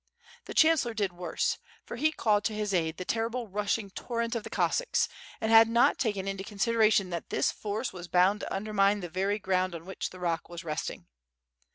The chan cellor did worse, for he 'called to his aid the terrible rushing torrent of the Cossacks, and had not taken into considera tion that this force was bound to undermine the very ground on which the rock was resting.